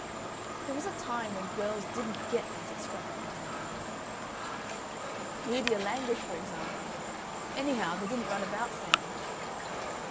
"There was a time when girls didn't get these extravagant ideas." "Lydia Languish, for example. Anyhow, they didn't run about so much."